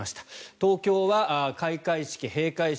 東京は開会式、閉会式